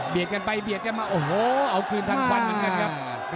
กันไปเบียดกันมาโอ้โหเอาคืนทางควันเหมือนกันครับ